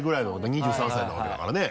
２３歳なわけだからね。